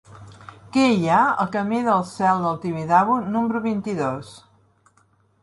Què hi ha al camí del Cel del Tibidabo número vint-i-dos?